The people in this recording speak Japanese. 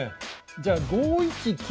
じゃあ５一金。